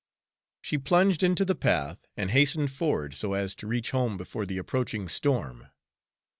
She plunged into the path and hastened forward so as to reach home before the approaching storm.